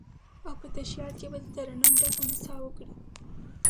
او په تشیال کې به، دترنم ډکه نڅا وکړي